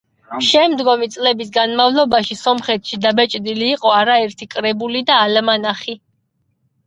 შემდგომი წლების განმავლობაში სომხეთში დაბეჭდილი იყო არაერთი კრებული და ალმანახი.